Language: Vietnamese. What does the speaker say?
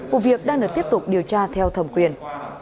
vụ việc đang được tiếp tục điều tra theo thẩm quyền